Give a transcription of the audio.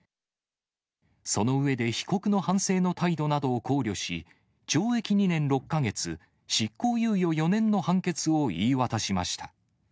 その上で、被告の反省の態度などを考慮し、懲役２年６か月、執行猶予４年の判決を言い渡しました。